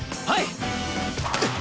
はい！